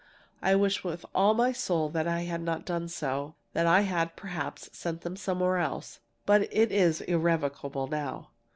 I wish with all my soul that I had not done so, that I had, perhaps, sent them somewhere else, but it is irrevocable now.